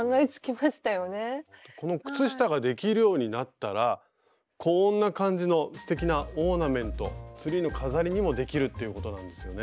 この靴下ができるようになったらこんな感じのすてきなオーナメントツリーの飾りにもできるっていうことなんですよね。